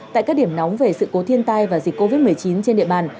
tại các điểm nóng về sự cố thiên tai và dịch covid một mươi chín trên địa bàn